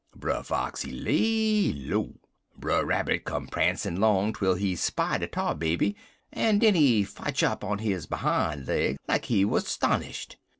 Brer Fox, he lay low. Brer Rabbit come prancin' 'long twel he spy de Tar Baby, en den he fotch up on his behime legs like he wuz 'stonished.